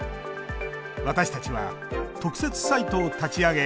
私たちは特設サイトを立ち上げ